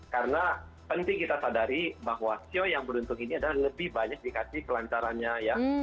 karena penting kita sadari bahwa siwa yang beruntung ini adalah lebih banyak dikasih pelancarannya ya